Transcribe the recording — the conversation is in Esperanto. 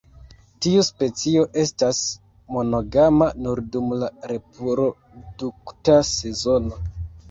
Tiu specio estas monogama nur dum la reprodukta sezono.